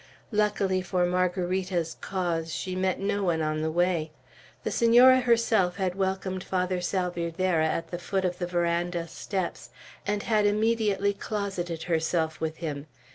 Luckily for Margarita's cause, she met no one on the way. The Senora had welcomed Father Salvierderra at the foot of the veranda steps, and had immediately closeted herself with him.